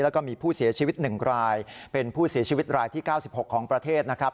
แล้วก็มีผู้เสียชีวิต๑รายเป็นผู้เสียชีวิตรายที่๙๖ของประเทศนะครับ